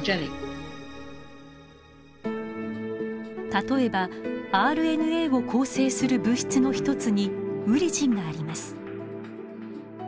例えばＲＮＡを構成する物質の一つにウリジンがあります。